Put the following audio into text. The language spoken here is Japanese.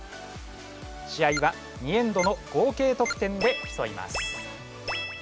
試合は２エンドの合計得点できそいます。